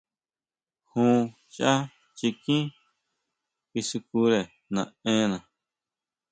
Jun chʼá chikín kisukire naʼena.